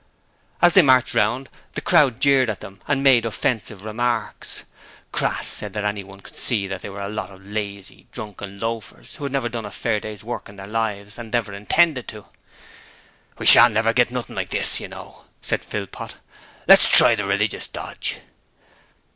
As they marched round, the crowd jeered at them and made offensive remarks. Crass said that anyone could see that they were a lot of lazy, drunken loafers who had never done a fair day's work in their lives and never intended to. 'We shan't never get nothing like this, you know,' said Philpot. 'Let's try the religious dodge.'